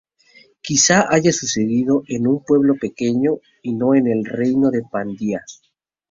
Quizá haya sucedido en un pueblo pequeño y no en el reino de Pandya.